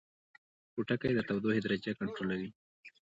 پوټکی د تودوخې درجه کنټرولوي